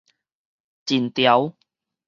秦朝